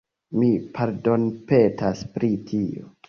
Mi pardonpetas pri tio.